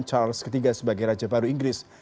charles iii sebagai raja baru inggris